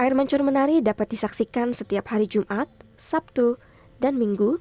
air mancur menari dapat disaksikan setiap hari jumat sabtu dan minggu